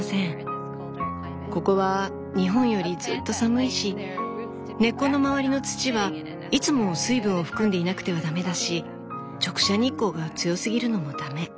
ここは日本よりずっと寒いし根っこの周りの土はいつも水分を含んでいなくては駄目だし直射日光が強すぎるのも駄目。